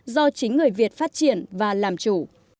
do chính người việt phát triển và làm chủ